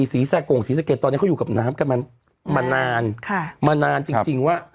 ศรีซากงศรีสะเกดตอนนี้เขาอยู่กับน้ำกันมานานมานานจริงว่า